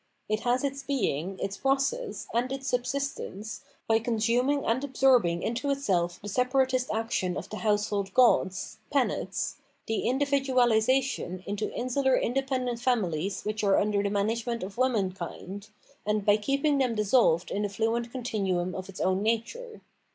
It has its being, its process, and its subsistence by consuming and absorbing into itself the separatist action of the household gods {Penates), the individuahsation into insular independent famili es which are under the management of woman kind, and by keeping them dissolved in the fluent 474 Phenomenology of Mind continuum of its own nature.